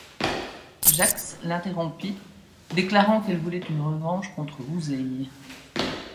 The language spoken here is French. Jax l'interrompit, déclarant qu'elle voulait une revanche contre Rousey.